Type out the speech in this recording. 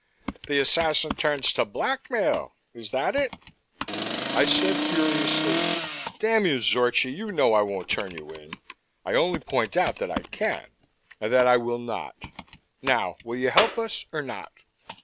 The assassin turns to blackmail, is that it?" I said furiously, "Damn you, Zorchi, you know I won't turn you in. I only point out that I can and that I will not. Now, will you help us or not?"